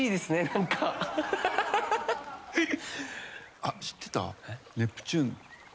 あ、知ってた？